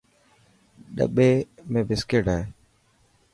ڏٻي ۾ بسڪٽ هي.